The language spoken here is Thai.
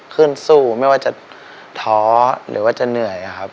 ขึ้นสู้ไม่ว่าจะท้อหรือว่าจะเหนื่อยครับ